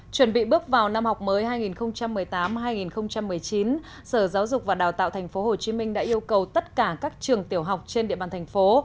chuẩn bị bước vào năm học mới hai nghìn một mươi tám hai nghìn một mươi chín sở giáo dục và đào tạo tp hcm đã yêu cầu tất cả các trường tiểu học trên địa bàn thành phố